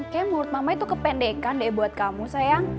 kayaknya menurut mama itu kependekan deh buat kamu sayang